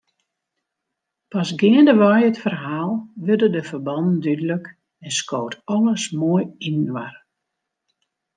Pas geandewei it ferhaal wurde de ferbannen dúdlik en skoot alles moai yninoar.